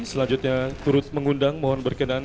selanjutnya turut mengundang mohon berkenan